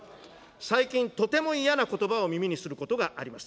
最近、とても嫌なことばを耳にすることがあります。